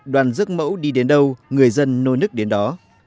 đoàn rước mẫu đi đến đâu người dân nô nức đến đó